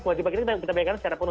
kewajiban kita bayarkan secara penuh